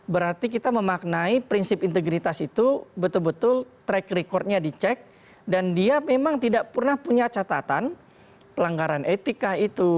berarti kita memaknai prinsip integritas itu betul betul track recordnya dicek dan dia memang tidak pernah punya catatan pelanggaran etik kah itu